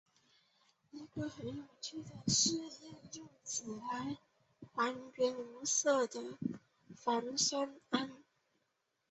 一个很有趣的试验是用锌来还原无色的钒酸铵。